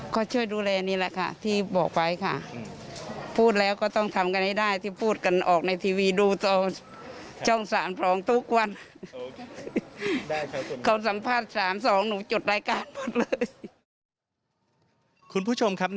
คุณผู้ชมครับนะครับ